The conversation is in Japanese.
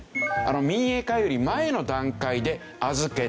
民営化より前の段階で預けた。